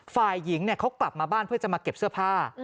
ฝ่ายหญิงเขากลับมาบ้านเพื่อจะมาเก็บเสื้อผ้า